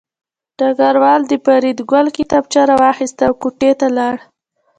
ډګروال د فریدګل کتابچه راواخیسته او کوټې ته لاړ